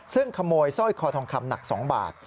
ซึ่งขโมยสร้อยคอทองคำหนัก๒บาท